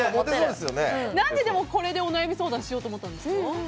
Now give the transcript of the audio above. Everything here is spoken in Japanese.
何でこれでお悩み相談しようと思ったんですか？